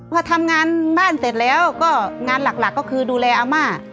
พอทำงานบ้านเสร็จแล้วก็งานหลักก็คือดูแลอาม่า